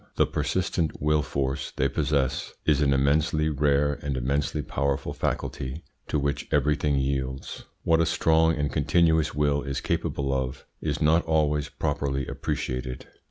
The persistent will force they possess is an immensely rare and immensely powerful faculty to which everything yields. What a strong and continuous will is capable of is not always properly appreciated.